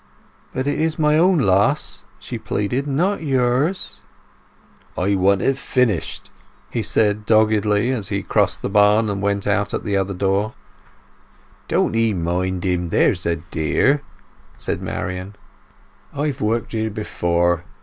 "But it is my own loss," she pleaded. "Not yours." "I want it finished," he said doggedly, as he crossed the barn and went out at the other door. "Don't 'ee mind him, there's a dear," said Marian. "I've worked here before.